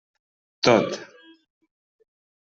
Tot.